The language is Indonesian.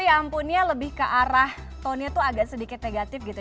tapi ampunnya lebih ke arah tonnya itu agak sedikit negatif gitu